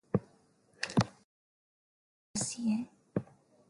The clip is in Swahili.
atakiwa kisagike na kiweze